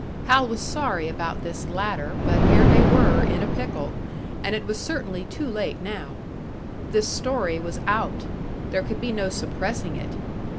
Hal was sorry about this latter, but here they were, in a pickle, and it was certainly too late now. This story was out there could be no suppressing it!